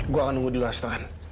gue akan nunggu di luar setengah